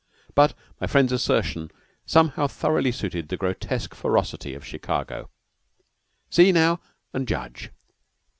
But my friend's assertion somehow thoroughly suited the grotesque ferocity of Chicago. See now and judge!